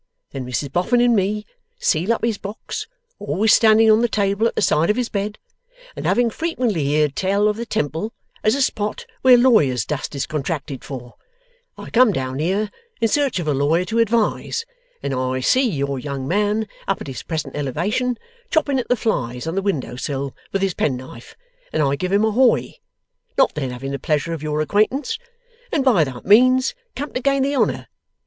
Then Mrs Boffin and me seal up his box, always standing on the table at the side of his bed, and having frequently heerd tell of the Temple as a spot where lawyer's dust is contracted for, I come down here in search of a lawyer to advise, and I see your young man up at this present elevation, chopping at the flies on the window sill with his penknife, and I give him a Hoy! not then having the pleasure of your acquaintance, and by that means come to gain the honour.